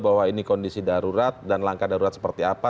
bahwa ini kondisi darurat dan langkah darurat seperti apa